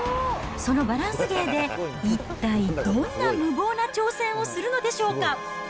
そのバランス芸で、一体どんな無謀な挑戦をするのでしょうか。